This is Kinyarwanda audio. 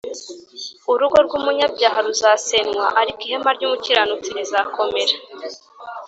urugo rwumunyabyaha ruzasenywa, ariko ihema ry’umukiranutsi rizakomera